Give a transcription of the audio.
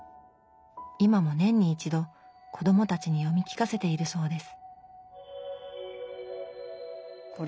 今も年に一度子どもたちに読み聞かせているそうです